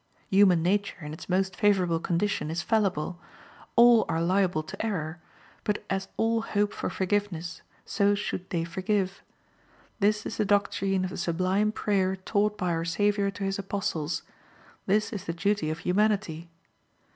Human nature, in its most favorable condition, is fallible; all are liable to error; but as all hope for forgiveness, so should they forgive. This is the doctrine of the sublime prayer taught by our Savior to his apostles; this is the duty of humanity.